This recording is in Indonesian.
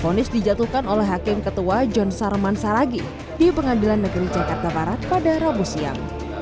fonis dijatuhkan oleh hakim ketua john sarman saragi di pengadilan negeri jakarta barat pada rabu siang